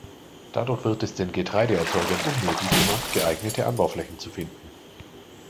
Dadurch wird es den Getreideerzeugern unmöglich gemacht, geeignete Anbauflächen zu finden.